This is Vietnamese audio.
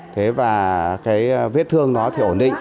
thế và cái vết thương nó thì ổn định